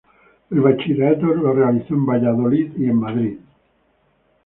El bachillerato lo realizó en Valladolid y en Madrid.